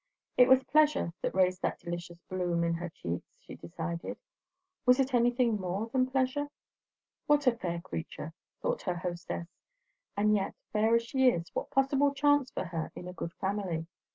It was pleasure that raised that delicious bloom in her cheeks, she decided; was it anything more than pleasure? What a fair creature! thought her hostess; and yet, fair as she is, what possible chance for her in a good family?